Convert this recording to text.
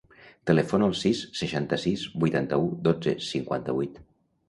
Telefona al sis, seixanta-sis, vuitanta-u, dotze, cinquanta-vuit.